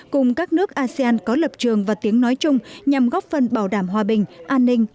cùng các nước asean có lập trường và tiếng nói chung nhằm góp phần bảo đảm hòa bình an ninh